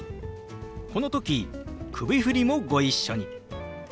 この時首振りもご一緒に。